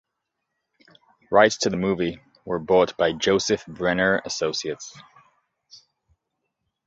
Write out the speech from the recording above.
Rights to the movie were bought by Joseph Brenner Associates.